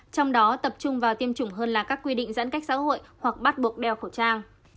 trong đó tập trung vào tiêm chủng hơn là các quy định giãn cách xã hội hoặc bắt buộc đeo khẩu trang